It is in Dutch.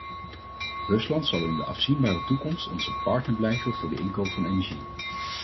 Rusland zal in de afzienbare toekomst onze partner blijven voor de inkoop van energie.